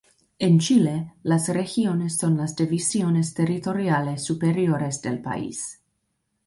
En Chile, las regiones son las divisiones territoriales superiores del país.